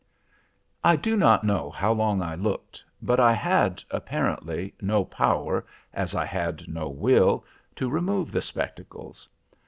"I do not know how long I looked, but I had, apparently, no power, as I had no will, to remove the spectacles.